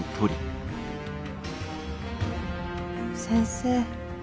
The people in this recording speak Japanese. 先生